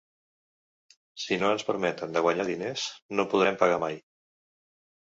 Si no ens permeten de guanyar diners, no podrem pagar mai!